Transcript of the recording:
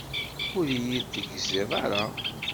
Ur iyi-tegzid ara.